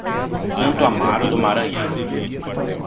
Santo Amaro do Maranhão